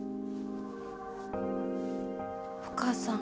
お母さん。